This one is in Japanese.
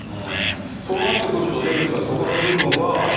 そうなってくると、出口さん、そこの部分は、あれ？